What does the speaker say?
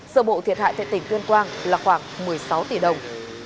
sở bộ thiệt hại tại tỉnh tuyên quang là khoảng một mươi sáu tỷ đồng